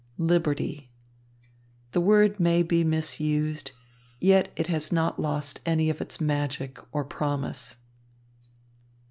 "Liberty!" The word may be misused, yet it has not lost any of its magic or promise.